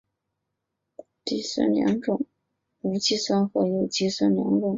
酸可分为无机酸和有机酸两种。